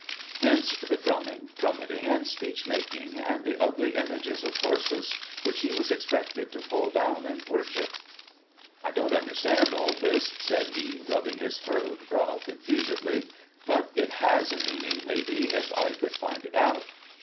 Hence the drumming, trumpeting, and speech making, and the ugly images of horses which he was expected to fall down and worship. ' I don't understand all this,' said he, rubbing his furrowed brow confusedly. ' But it has a meaning, maybe, if 1 could find it out.'